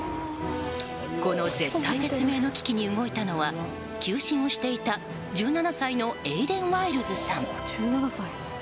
この絶体絶命の危機に動いたのは球審をしていた１７歳のエイデン・ワイルズさん。